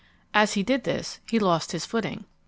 As he did this he lost his footing.